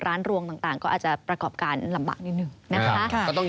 รวงต่างก็อาจจะประกอบการลำบากนิดหนึ่งนะคะ